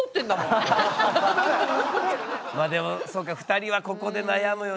まあでもそうか２人はここで悩むよね。